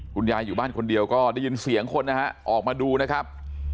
คุณยายอยู่บ้านคนเดียวก็ได้ยินเสียงคนนะฮะออกมาดูนะครับ